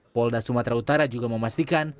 polda sumatera utara juga memastikan